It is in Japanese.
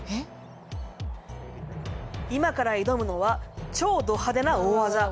今から挑むのは超ド派手な大技。